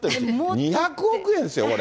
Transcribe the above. ２００億円ですよ、これ。